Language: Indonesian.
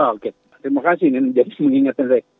oke terima kasih ini jadi mengingatkan saya